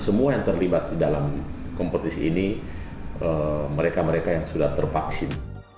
semua yang terlibat dalam kompetisi ini mereka mereka yang sudah tervaksin